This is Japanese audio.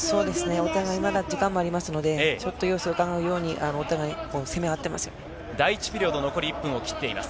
お互いまだ、時間もありますので、ちょっと様子をうかがうように、第１ピリオド、残り１分を切っています。